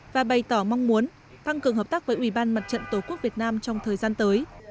và bày tỏ mong muốn tăng cường hợp tác với ủy ban mặt trận tổ quốc việt nam trong thời gian tới